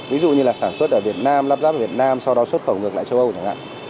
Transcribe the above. ví dụ như là sản xuất ở việt nam lắp ráp vào việt nam sau đó xuất khẩu ngược lại châu âu chẳng hạn